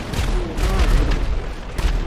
布沙尔岛。